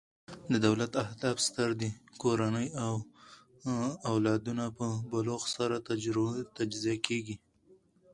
د دولت اهداف ستر دي؛ کورنۍ د او لادونو په بلوغ سره تجزیه کیږي.